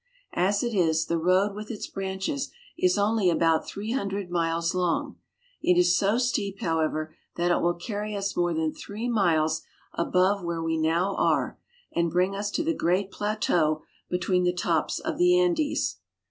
As it is, the road with its branches is only about three hun dred miles long. It is so steep, however, that it will carry us more than three miles above where we now are, and bring us to the great plateau between the tops of the Andes.